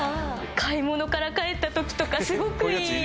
買い物から帰った時とかすごくいい！